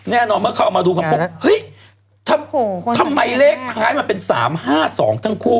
แน่นอนเมื่อเขาเอามาดูกันบอกเฮ้ยทำไมเลขท้ายมันเป็น๓๕๒ทั้งคู่